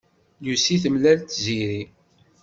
Lucy temlal-d Tiziri.